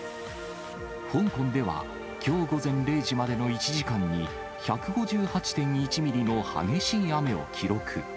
香港では、きょう午前０時までの１時間に、１５８．１ミリの激しい雨を記録。